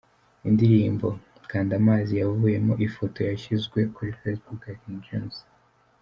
Indirimbo "Kanda amazi" yavuyemo ifoto yashyizwe kuri facebook ya King James.